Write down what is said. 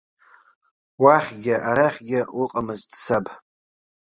Уахьгьы арахьгьы уыҟамызт саб!